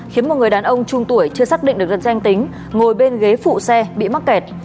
khiến một người đàn ông trung tuổi chưa xác định được danh tính ngồi bên ghế phụ xe bị mắc kẹt